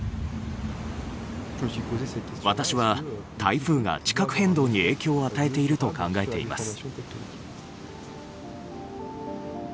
私は台風が地殻変動に影響を与えていると考えています。